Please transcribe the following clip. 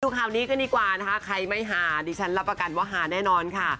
ข่าวนี้กันดีกว่านะคะใครไม่หาดิฉันรับประกันว่าหาแน่นอนค่ะ